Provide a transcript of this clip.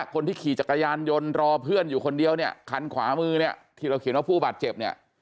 คนที่ขี่จักรยานยนต์รอเพื่อนอยู่คนเดียวเนี่ยคันขวามือเนี่ยที่เราเขียนว่าผู้บาดเจ็บเนี่ย